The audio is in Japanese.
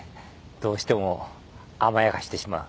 どうしても甘やかしてしまう。